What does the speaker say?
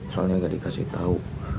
soalnya gak dikasih tau